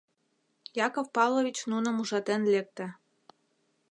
Яков Павлович нуным ужатен лекте.